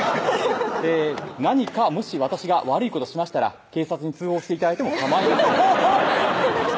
「何かもし私が悪いことをしましたら警察に通報して頂いてもかまいません」